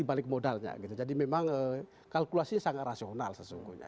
itu akan ada peluang untuk mencari balik modalnya gitu jadi memang kalkulasi sangat rasional sesungguhnya